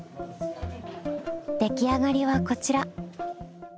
出来上がりはこちら。